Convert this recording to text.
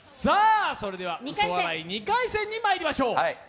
それでは嘘笑い２回戦にまいりましょう。